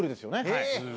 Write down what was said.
はい。